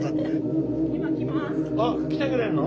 あっ来てくれんの？